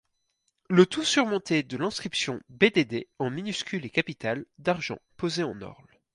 Le tout surmonté de l'inscription 'BdD' en minuscules et capitales d'argent posées en orle.